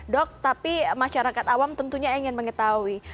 dok tapi masyarakat awam tentunya ingin mengetahui